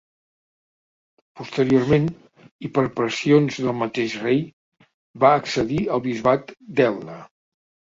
Posteriorment, i per pressions del mateix rei, va accedir al bisbat d'Elna.